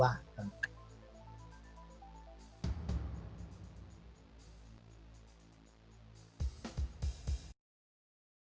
โปรดติดตามตอนต่อไป